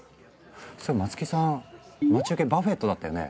そういえば松木さん待ち受けバフェットだったよね？